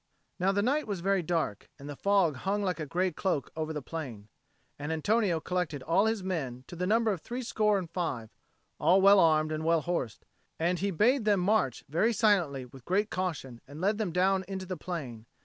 Now the night was very dark, and the fog hung like a grey cloak over the plain. And Antonio collected all his men to the number of threescore and five, all well armed and well horsed; and he bade them march very silently and with great caution, and led them down into the plain.